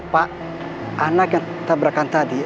pak anak yang tabrakan tadi